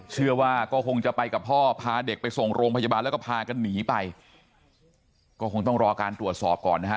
เชื่อว่าก็คงจะไปกับพ่อพาเด็กไปส่งโรงพยาบาลแล้วก็พากันหนีไปก็คงต้องรอการตรวจสอบก่อนนะฮะ